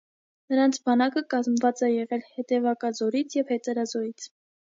Նրանց բանակը կազմված է եղել հետևակազորից ու հեծելազորից։